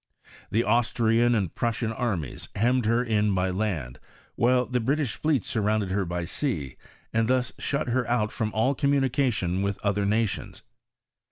The Austrian and Prussian armies hemmed her in by land, while the British fleets surrounded her by sea, and thus shut ber out from all communication with other nations.